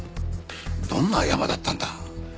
どんなヤマだったんだ？